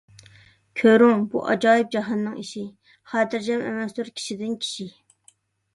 كۆرۈڭ، بۇ ئاجايىپ جاھاننىڭ ئىشى، خاتىرجەم ئەمەستۇر كىشىدىن كىشى.